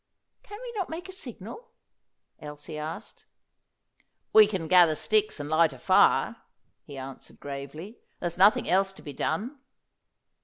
"Can we not make a signal?" Elsie asked. "We can gather sticks and light a fire," he answered gravely. "There's nothing else to be done."